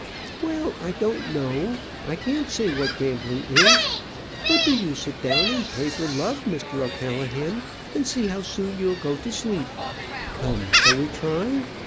"Well, I don't know. I can't say what gambling is. But do you sit down and play for love, Mr. O'Callaghan, and see how soon you'll go to sleep. Come, shall we try?